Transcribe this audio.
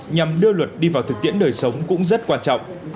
nhằm đưa luật đi vào thực tiễn đời sống cũng rất quan trọng